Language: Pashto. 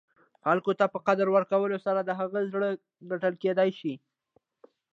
خلګو ته په قدر ورکولو سره، د هغه زړونه ګټل کېداى سي.